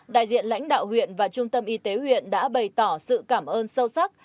đại diện lãnh đạo huyện và trung tâm y tế huyện đã bày tỏ sự cảm ơn sâu sắc